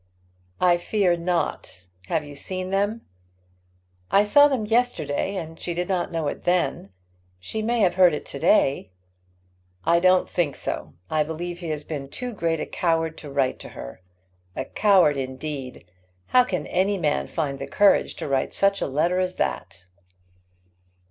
"I fear not. Have you seen them?" "I saw them yesterday, and she did not know it then; she may have heard it to day." "I don't think so. I believe he has been too great a coward to write to her. A coward indeed! How can any man find the courage to write such a letter as that?"